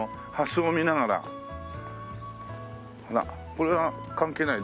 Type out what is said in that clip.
これは関係ない？